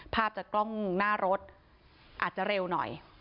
ภาพจากกล้องหน้ารถอาจจะเร็วหน่อย